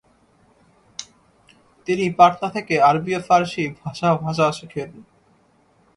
তিনি পাটনা থেকে আরবি ও ফারসি ভাষা ভাষা শেখেন।